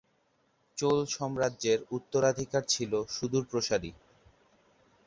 চোল সাম্রাজ্যের উত্তরাধিকার ছিল সুদূরপ্রসারী।